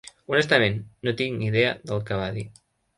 Honestament, no tinc idea del que va dir.